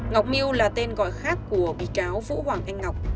ngọc miu là tên gọi khác của bị cáo vũ hoàng anh ngọc